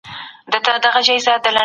اسلام د هر چا امنیت تضمینوي.